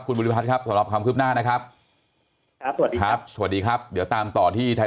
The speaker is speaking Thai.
คุณบุริพัทธ์ขับกับความคืบหน้านะครับสวัสดีครับเดี๋ยวตามต่อที่ไทย